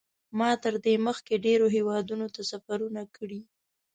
ما تر دې مخکې ډېرو هېوادونو ته سفرونه کړي.